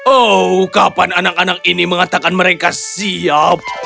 oh kapan anak anak ini mengatakan mereka siap